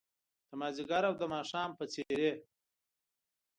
د مازدیګر او د ماښام په څیرې